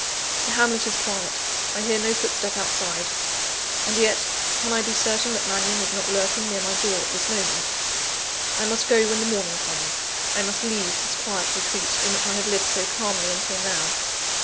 The hamlet is quiet; I hear no footstep outside and yet, can I be certain that Mannion is not lurking near my door at this moment? I must go when the morning comes; I must leave this quiet retreat, in which I have lived so calmly until now.